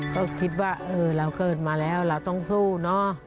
ก็คิดว่าเราเกิดมาแล้วเราต้องสู้เนอะ